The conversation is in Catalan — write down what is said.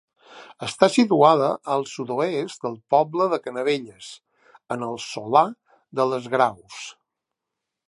Està situada al sud-oest del poble de Canavelles, en el Solà de les Graus.